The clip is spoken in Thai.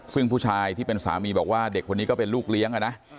ซึ่งผู้ชายที่เป็นสามีบอกว่าเด็กคนนี้ก็เป็นลูกเลี้ยงนะ